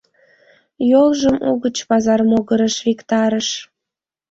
Йолжым угыч пазар могырыш виктарыш.